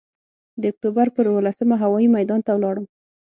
د اکتوبر پر اوولسمه هوايي میدان ته ولاړم.